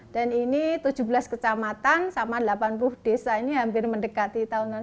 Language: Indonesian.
dan ini tujuh belas kecamatan sama delapan puluh desa ini hampir mendekati tahun tahun